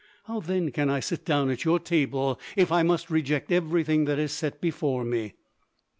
How then can I sit down at your table if I must reject everything that is set before me?"